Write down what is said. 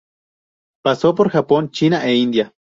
Pasó por Japón, China e India.